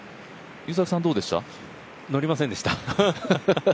私はのりませんでした。